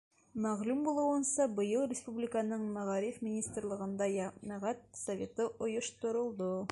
Мәғлүм булыуынса, быйыл республиканың Мәғариф министрлығында Йәмәғәт советы ойошторолдо.